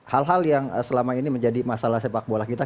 hal hal yang selama ini menjadi masalah sepak bola kita